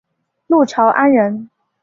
陆朝安人。